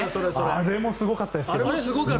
あれもすごかったけど。